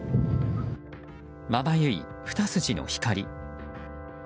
まばゆい、ふた筋の光。